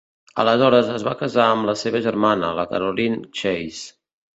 Aleshores es va casar amb la seva germana, la Caroline Chase.